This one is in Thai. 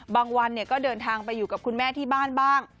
วันก็เดินทางไปอยู่กับคุณแม่ที่บ้านบ้าง